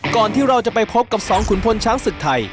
ที่เราจะไปพบกับสองขุนพลช้างศึกไทย